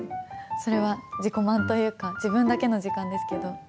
それは自己満というか、自分だけの時間ですけど。